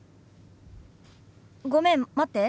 ごめん待って。